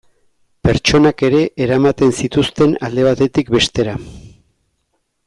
Pertsonak ere eramaten zituzten alde batetik bestera.